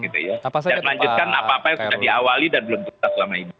dan melanjutkan apa apa yang sudah diawali dan belum diketahui selama ini